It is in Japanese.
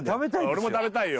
俺も食べたいよ